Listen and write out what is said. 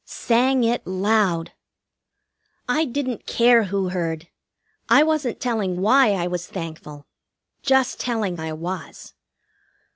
Sang it loud. I didn't care who heard. I wasn't telling why I was thankful. Just telling I was.